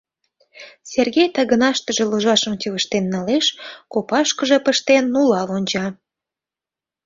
— Сергей тагынаште ложашым чывыштен налеш, копашкыже пыштен, нулал онча.